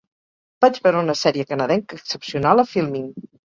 Vaig veure una sèrie canadenca excepcional a Filmin.